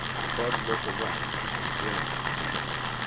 Bud looked around and grinned.